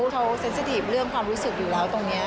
เขาเซ็นสถีฟเรื่องความรู้สึกอยู่แล้วตรงนี้